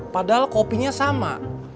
padahal kopinya sama